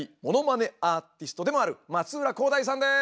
アーティストでもある松浦航大さんです！